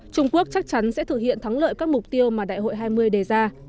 trung quốc chắc chắn sẽ thực hiện thắng lợi các mục tiêu mà đại hội hai mươi đề ra